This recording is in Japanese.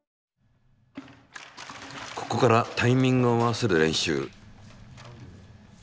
ここからタイミングを合わせる練習。